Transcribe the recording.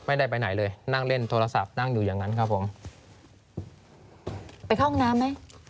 ไม่ได้ไปไหนเลยนั่งเล่นโทรศัพท์นั่งอยู่อย่างนั้นครับผมไปเข้าห้องน้ำไหม